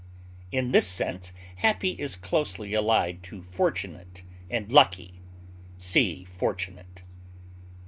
In this sense happy is closely allied to fortunate and lucky. (See FORTUNATE.)